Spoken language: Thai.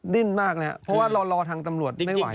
ดิ้นมากแล้วเพราะว่าเรารอทางตำรวจไม่ไหว